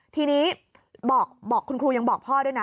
ทีนี้บอกคุณครูยังบอกพ่อด้วยนะ